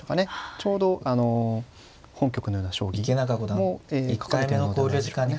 ちょうどあの本局のような将棋も書かれてるのではないでしょうかね。